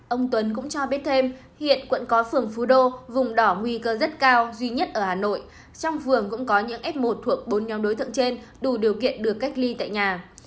ông tuấn cũng cho biết thêm hiện quận có phường phú đô vùng đỏ nguy cơ rất cao duy nhất ở hà nội trong phường cũng có những f một thuộc bốn nhóm đối tượng trên đủ điều kiện được cách ly tại nhà